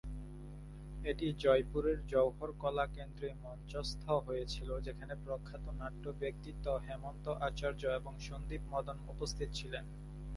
এটি জয়পুরের জওহর কলা কেন্দ্রে মঞ্চস্থ হয়েছিল; যেখানে প্রখ্যাত নাট্য ব্যক্তিত্ব হেমন্ত আচার্য এবং সন্দীপ মদন উপস্থিত ছিলেন।